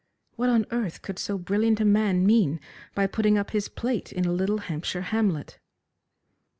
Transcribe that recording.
What on earth could so brilliant a man mean by putting up his plate in a little Hampshire hamlet.